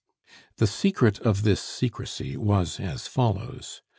The secret of this secrecy was as follows.